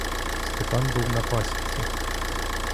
Степан був на пасіці.